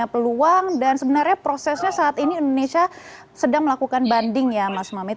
peluang dan sebenarnya prosesnya saat ini indonesia sedang melakukan banding ya mas mamit